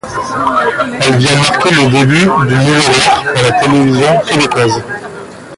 Elle vient marquer le début d'une nouvelle ère pour la télévision québécoise.